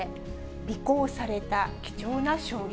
尾行された貴重な証言。